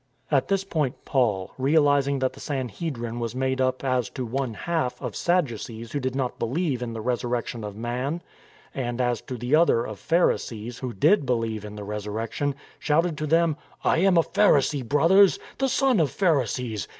At this point Paul, realizing that the Sanhedrin was 298 STORM AND STRESS made up as to one half of Sadducees who did not be lieve in the resurrection of man, and as to the other of Pharisees who did believe in the resurrection, shouted to them, " I am a Pharisee, brothers, the son of Pharisees